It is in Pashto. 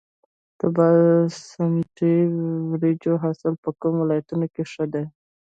د باسمتي وریجو حاصل په کومو ولایتونو کې ښه دی؟